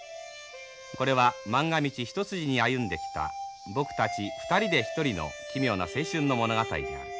これはまんが道一筋に歩んできた僕たち２人で１人の奇妙な青春の物語である。